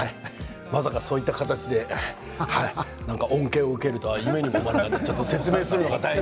まさかそういった形で恩恵を受けるとは夢にも思わなかった。